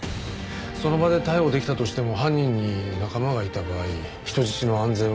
その場で逮捕できたとしても犯人に仲間がいた場合人質の安全は？